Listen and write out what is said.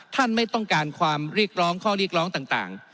ไม่ต้องการความเรียกร้องข้อเรียกร้องต่าง